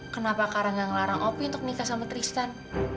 kenapa karangga ngelarang opi untuk nikah sama tristan